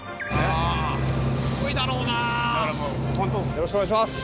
よろしくお願いします。